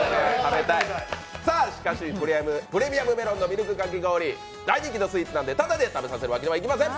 さあ、しかしプレミアムメロンのみるくかき氷、大人気のスイーツなのでただで食べさせるわけにはいきません。